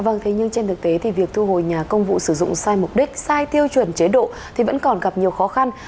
vâng thế nhưng trên thực tế thì việc thu hồi nhà công vụ sử dụng sai mục đích sai tiêu chuẩn chế độ thì vẫn còn gặp nhiều khó khăn